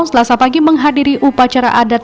selasa pagi menghadiri upacara adat